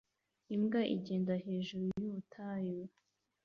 Imbwa igenda hejuru y'ubutayu